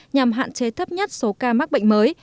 nhằm hạn chế thấp nhất số ca mắc bệnh mới